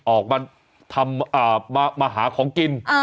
ออกมาหาของกิน